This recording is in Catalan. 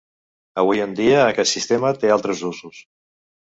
Avui en dia, aquest sistema té altres usos.